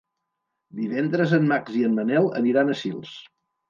Divendres en Max i en Manel aniran a Sils.